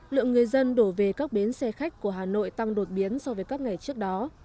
lượng người dân đổ về các bến xe khách của hà nội tăng đột biến so với các ngày trước đó